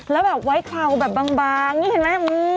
แล้วแบบไว้เคราแบบบางอย่างนี้เห็นไหม